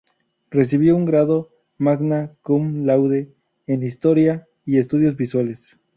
Recibió un grado "magna cum laude" en historia y estudios visuales.